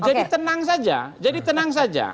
jadi tenang saja jadi tenang saja